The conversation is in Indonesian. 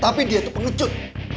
tapi dia tuh pengecut